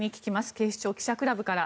警視庁記者クラブから。